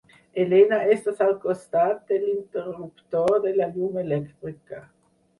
Helena, estàs al costat de l'interruptor de la llum elèctrica.